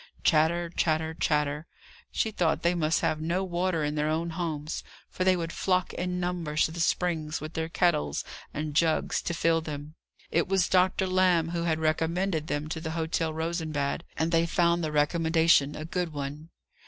chatter, chatter, chatter! She thought they must have no water in their own homes, for they would flock in numbers to the springs with their kettles and jugs to fill them. It was Doctor Lamb who had recommended them to the Hotel Rosenbad; and they found the recommendation a good one.